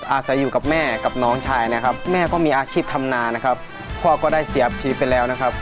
อาศัยอยู่กับแม่กับน้องชายนะครับแม่ก็มีอาชีพทำนานะครับพ่อก็ได้เสียผีไปแล้วนะครับ